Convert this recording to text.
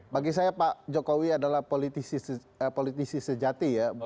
bagi saya pak jokowi adalah politisi sejati ya